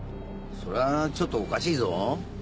そりゃちょっとおかしいぞ。